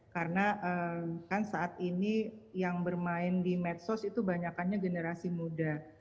karena kan saat ini yang bermain di medsos itu banyaknya generasi muda